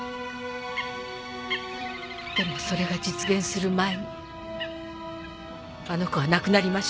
でもそれが実現する前にあの子は亡くなりました。